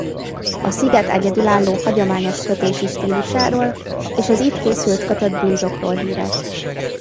A sziget egyedülálló hagyományos kötési stílusáról és az itt készült kötött blúzokról híres.